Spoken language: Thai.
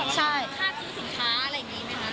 ใช่ค่าซื้อสินค้าอะไรอย่างนี้ไหมคะ